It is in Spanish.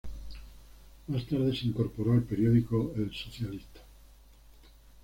Más tarde se incorporó al periódico "El Socialista".